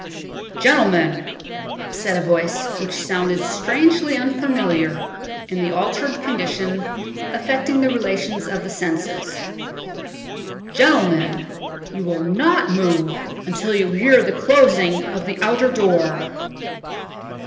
"Gentlemen," said a voice which sounded strangely unfamiliar in the altered condition affecting the relations of the senses—"gentlemen, you will not move until you hear the closing of the outer door."